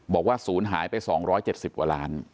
บอกว่าศูนย์หายไป๒๗๐กว่าล้าน